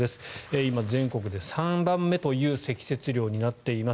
今、全国で３番目という積雪量になっています